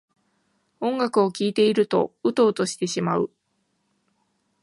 音楽を聴いているとウトウトしてしまう